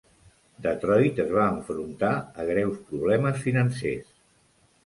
Detroit es va enfrontar a greus problemes financers.